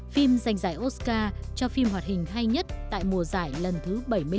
phim giành giải oscar cho phim hoạt hình hay nhất tại mùa giải lần thứ bảy mươi năm